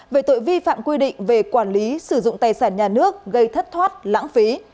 về tội vi phạm quy định về quản lý sử dụng tài sản nhà nước gây thất thoát lãng phí